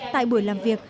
tại buổi làm việc